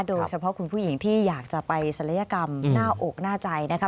โดยเฉพาะคุณผู้หญิงที่อยากจะไปศัลยกรรมหน้าอกหน้าใจนะคะ